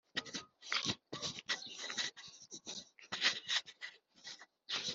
Icyicaro cy umuryango gishinzwe mu mujyi wa